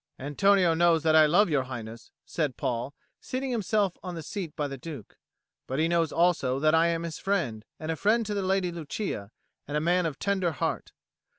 "Antonio knows that I love Your Highness," said Paul, seating himself on the seat by the Duke, "but he knows also that I am his friend, and a friend to the Lady Lucia, and a man of tender heart.